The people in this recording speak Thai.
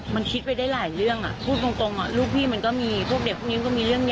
มันคิดไปได้หลายเรื่อง